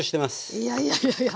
いやいやいやいや。